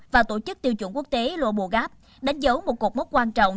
và tổ chức tiêu chuẩn quốc tế lobogap đánh dấu một cột mốc quan trọng